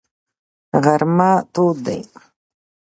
غرمه تود دی.